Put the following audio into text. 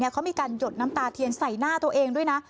เขามีการหยดน้ำตาเทียนใส่หน้าตัวเองด้วยนะ